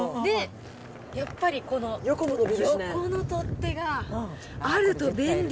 やっぱりこの横の取っ手があると便利。